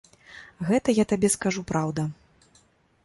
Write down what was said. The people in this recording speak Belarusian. Гэта, я табе скажу, праўда.